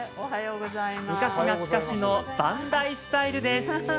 昔懐かしの番台スタイルです。